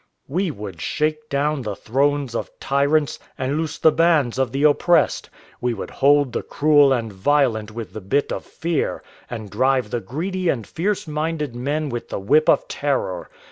"We would shake down the thrones of tyrants, and loose the bands of the oppressed. We would hold the cruel and violent with the bit of fear, and drive the greedy and fierce minded men with the whip of terror.